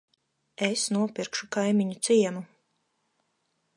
Es nopirkšu kaimiņu ciemu.